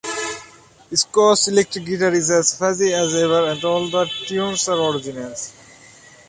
Sco’s electric guitar is as fuzzy as ever and all the tunes are originals.